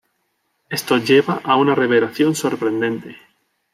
Esto lleva a una revelación sorprendente.